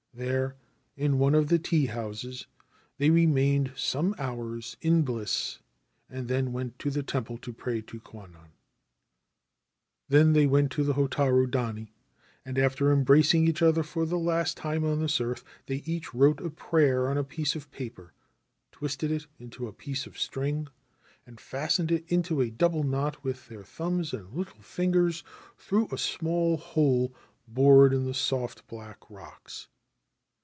There, in one of the tea houses, they remained some hours in bliss, and then went to the temple to pray to Kwannon. Then they went to the Hotaru Dani, and, after embracing each other for the last time on this earth, they each wrote a prayer on a piece of paper, twisted it into a piece of string, and fastened it in a double knot with their thumbs and little fingers through a small hole bored in the soft black rocks.